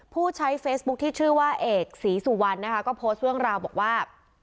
ผู้ใช้เฟซบุ๊คที่ชื่อว่าเอกศรีสุวรรณนะคะก็โพสต์เรื่องราวบอกว่า